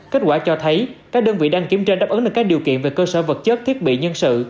kết quả cho thấy các đơn vị đang kiểm tra đáp ứng được các điều kiện về cơ sở vật chất thiết bị nhân sự